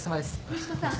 吉野さん